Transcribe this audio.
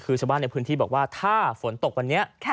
คือชาวบ้านในพื้นที่บอกว่าถ้าฝนตกวันนี้